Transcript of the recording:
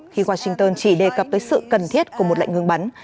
khi washington chỉ đề cập tới sự cần thiết của một lệnh ngừng bắn